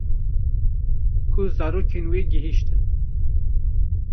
Ku zarokên wê gihîştin